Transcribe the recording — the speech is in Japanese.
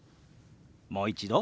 もう一度。